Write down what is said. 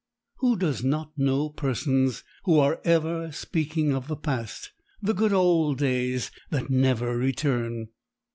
Who does not know persons who are ever speaking of the past, the good old days that never return?